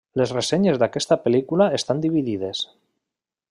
Les ressenyes d'aquesta pel·lícula estan dividides.